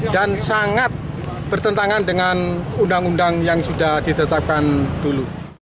dan sangat bertentangan dengan undang undang yang sudah ditetapkan dulu